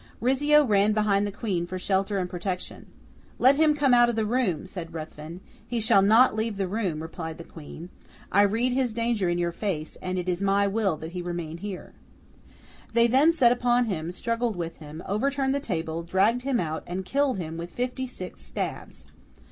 Rizzio ran behind the Queen for shelter and protection. 'Let him come out of the room,' said Ruthven. 'He shall not leave the room,' replied the Queen; 'I read his danger in your face, and it is my will that he remain here.' They then set upon him, struggled with him, overturned the table, dragged him out, and killed him with fifty six stabs.